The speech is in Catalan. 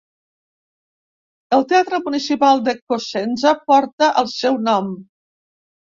El teatre municipal de Cosenza porta el seu nom.